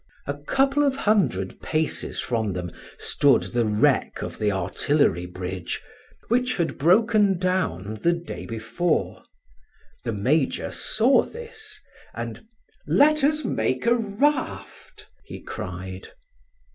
A couple of hundred paces from them stood the wreck of the artillery bridge, which had broken down the day before; the major saw this, and "Let us make a raft!" he cried.